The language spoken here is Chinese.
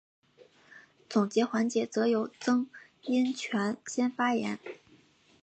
总结环节则由曾荫权先发言。